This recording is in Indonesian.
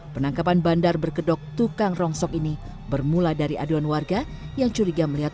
penangkapan bandar berkedok tukang rongsok ini bermula dari aduan warga yang curiga melihat